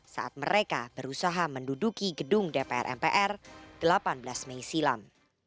saat mereka berusaha menduduki gedung dpr mpr delapan belas mei silam